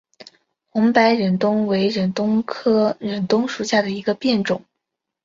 红白忍冬为忍冬科忍冬属下的一个变种。